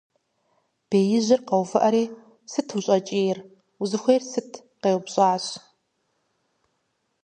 Беижьыр къэувыӀэри: - Сыт ущӀэкӀийр? Узыхуейр сыт?! - къеупщӀащ.